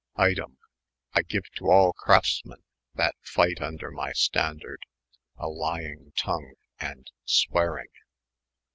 Item, I gene to all Craftea men that fyght vnder my standarde, a lyeng tongue, & awearyng.